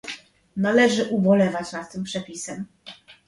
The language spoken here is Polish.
Należy ubolewać nad tym przepisem